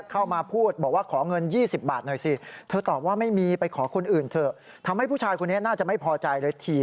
เข้ามาบอกว่าขอเงิน๒๐บาท